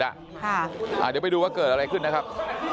เดี๋ยวไปดูว่าเกิดอะไรขึ้นนะครับ